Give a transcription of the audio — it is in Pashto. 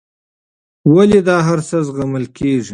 ولې دا هرڅه زغمل کېږي.